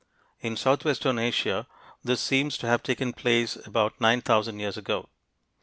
In southwestern Asia, this seems to have taken place about nine thousand years ago.